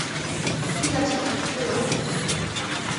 ঠিক আছে, শোলা।